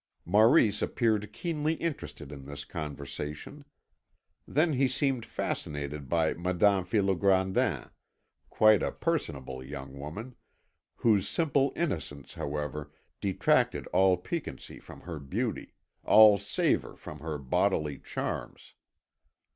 Maurice appeared keenly interested in this conversation. Then he seemed fascinated by Madame Fillot Grandin, quite a personable young woman, whose simple innocence, however, detracted all piquancy from her beauty, all savour from her bodily charms.